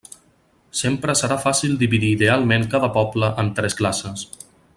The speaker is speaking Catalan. Sempre serà fàcil dividir idealment cada poble en tres classes.